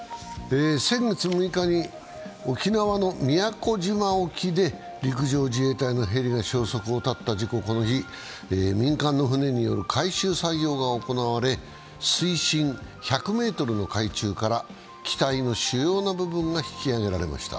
先月６日に沖縄の宮古島沖で陸上自衛隊のヘリが消息を絶った事故、この日、民間の船による回収作業が行われ水深１００ｍの海中から機体の主要な部分が引き揚げられました。